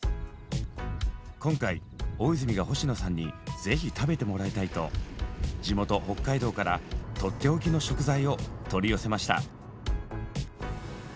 今回大泉が星野さんに「是非食べてもらいたい」と地元北海道からとっておきの食材を取り寄せました。